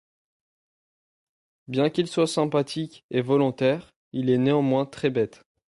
Bien qu'il soit sympathique et volontaire, il est néanmoins très bête.